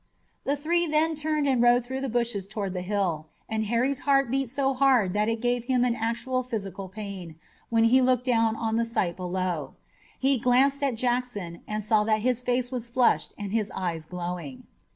The three then turned and rode through the bushes toward the hill, and Harry's heart beat so hard that it gave him an actual physical pain when he looked down on the sight below. He glanced at Jackson and saw that his face was flushed and his eyes glowing.